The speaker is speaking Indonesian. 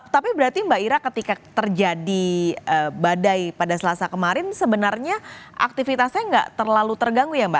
tapi berarti mbak ira ketika terjadi badai pada selasa kemarin sebenarnya aktivitasnya nggak terlalu terganggu ya mbak